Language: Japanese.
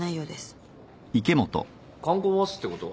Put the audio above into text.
観光バスってことは？